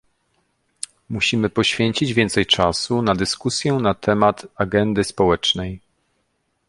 Musimy poświęcić więcej czasu na dyskusję na temat agendy społecznej